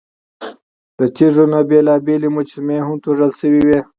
له تیږو نه بېلابېلې مجسمې هم توږل شوې وې.